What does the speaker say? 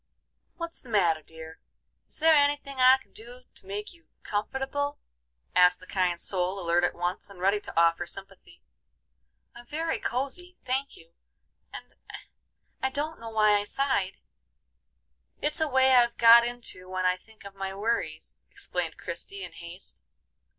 "What's the matter, dear? Is there any thing I can do to make you comfortable?" asked the kind soul, alert at once, and ready to offer sympathy. "I'm very cosy, thank you, and I don't know why I sighed. It's a way I've got into when I think of my worries," explained Christie, in haste.